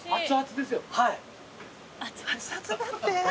熱々だって。